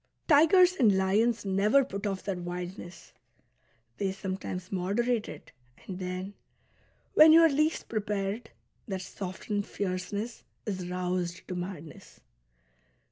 Tigers and lions never put off their wildness ; they sometimes moderate it, and then, when you are least prepared, their softened fierceness is roused to madness.